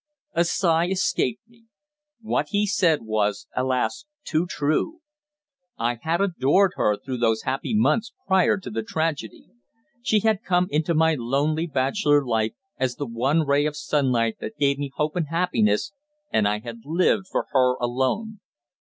A sigh escaped me. What he said was, alas! too true. I had adored her through those happy months prior to the tragedy. She had come into my lonely bachelor life as the one ray of sunlight that gave me hope and happiness, and I had lived for her alone.